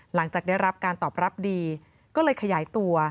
หลังจากได้รับการตอบรับดีก็เลยขยายตัว